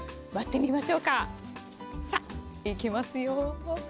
割ってみましょうか。いきますよ。